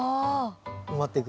埋まってく。